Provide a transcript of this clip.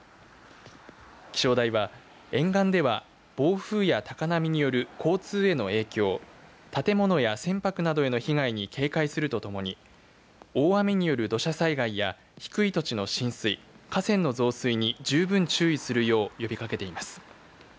気象台は、沿岸では暴風や高波による交通への影響建物や船舶などへの被害に警戒するとともに大雨による土砂災害や低い土地の浸水河川の増水に十分注意するよう呼びかけています。